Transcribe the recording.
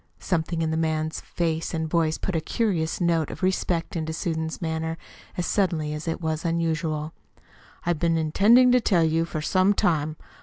Something in the man's face and voice put a curious note of respect into Susan's manner as sudden as it was unusual. "I've been intending to tell you for some time.